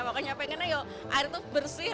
makanya pengennya air itu bersih